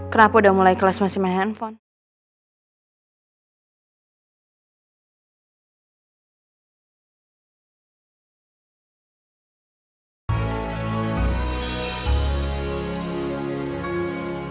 kenapa udah mulai kelas masih main handphone